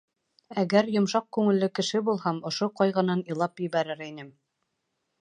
Әгәр йомшаҡ күңелле кеше булһам, ошо ҡайғынан илап ебәрер инем.